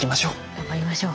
頑張りましょう。